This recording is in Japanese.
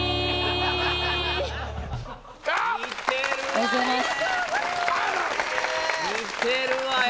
ありがとうございます